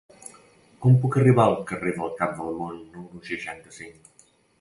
Com puc arribar al carrer del Cap del Món número seixanta-cinc?